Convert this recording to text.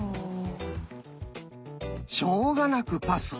しょうがなくパス。